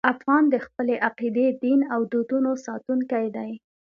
افغان د خپلې عقیدې، دین او دودونو ساتونکی دی.